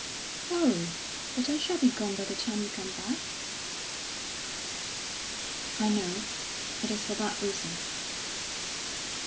"Oh, but I shall be gone by the time you come back." "I know. It is for that reason."